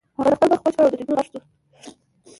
هغه خپل مخ وچ کړ او د ټیلیفون غږ شو